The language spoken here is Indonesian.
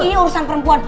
ini urusan perempuan